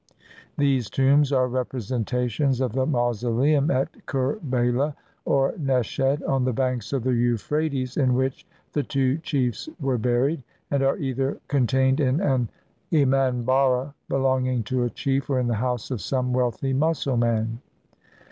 These tombs are representations of the mausoleum at Kerbela, or Neshed, on the banks of the Euphrates, in which the two chiefs were buried; and are either contained in an emanharra belonging to a chief or in the house of some wealthy Mussulman.